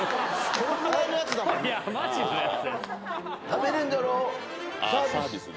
「このぐらいのやつだもんね」